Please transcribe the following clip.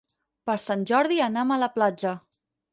Per Sant Jordi anam a la platja.